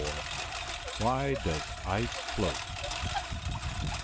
WHY DOES ICE FLOAT?